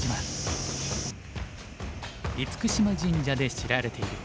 厳島神社で知られている。